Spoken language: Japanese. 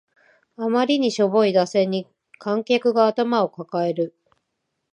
あまりにしょぼい打線に観客が頭を抱える